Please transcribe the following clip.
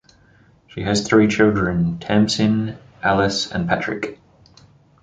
She has three children: Tamsin, Alice and Patrick.